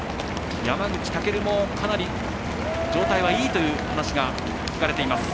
山口武も、かなり状態はいいという話が聞かれています。